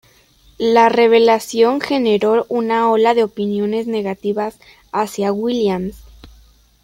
La revelación generó una ola de opiniones negativas hacia Williams.